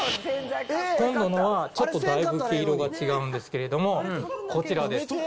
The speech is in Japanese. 今度のはちょっとだいぶ毛色が違うんですけれども、こちらです。